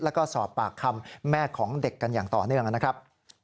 แล้วก็สอบปากคำแม่ของเด็กกันอย่างต่อเนื่องนะครับ